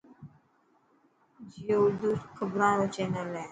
جيو ارڌو کبران رو چينل هي.